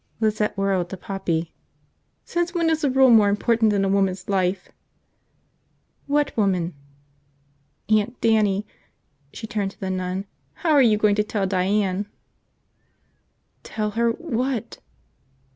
Lizette whirled to Poppy. "Since when is a rule more important than a woman's life?" "What woman?" "Aunt Dannie." She turned to the nun. "How are you going to tell Diane?" "Tell her –what?"